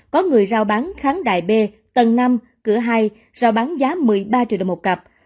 có người giao bán kháng đại b tầng năm cửa hai rồi bán giá một mươi ba triệu đồng một cặp